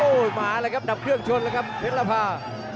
โอ้มาแล้วครับดำเครื่องชนแล้วครับเผ็ดละพา